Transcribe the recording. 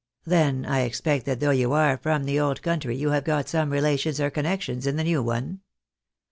" Then I expect that though you are from the old country you have got some relations or connections in the new one